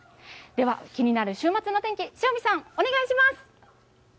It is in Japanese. では、気になる週末の天気、塩見さん、お願いします。